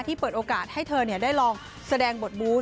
เปิดโอกาสให้เธอได้ลองแสดงบทบูธ